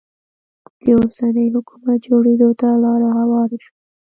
د اوسني حکومت جوړېدو ته لاره هواره شوه.